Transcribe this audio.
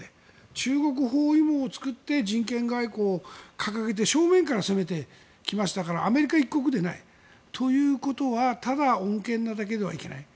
中国包囲網を作って人権外交を掲げて正面から攻めてきましたからアメリカ一国ではない。ということはただ穏健なだけではいけない